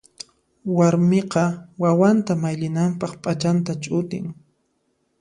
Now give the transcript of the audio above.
Warmiqa wawanta mayllinanpaq p'achanta ch'utin.